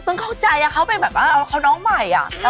เข้าใจเขาเป็นแบบว่าเอาน้องใหม่